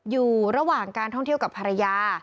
อยู่ระหว่างการท่องเที่ยวกับภรรยา